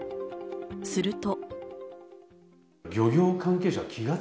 すると。